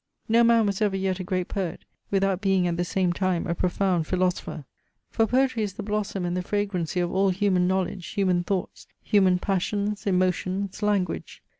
No man was ever yet a great poet, without being at the same time a profound philosopher. For poetry is the blossom and the fragrancy of all human knowledge, human thoughts, human passions, emotions, language.